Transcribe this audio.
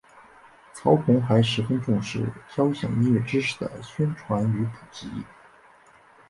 曹鹏还十分重视交响音乐知识的宣传与普及。